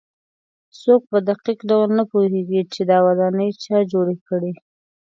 څوک په دقیق ډول نه پوهېږي چې دا ودانۍ چا جوړې کړې.